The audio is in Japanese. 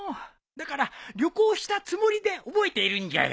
だから旅行したつもりで覚えているんじゃよ。